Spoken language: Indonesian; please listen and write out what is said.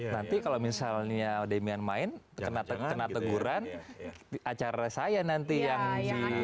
nanti kalau misalnya demian main kena teguran acara saya nanti yang di